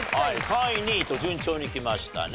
３位２位と順調にきましたね。